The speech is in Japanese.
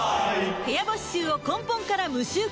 部屋干し臭を根本から無臭化